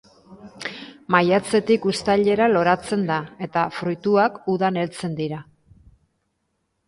Maiatzetik uztailera loratzen da, eta fruituak udan heltzen dira.